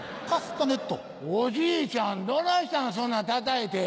「おじいちゃんどないしたんそんなんたたいて」。